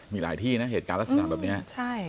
มีหลายที่นะเหตุการณ์ลักษณะแบบนี้ใช่